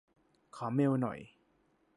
ขอเมลหน่อย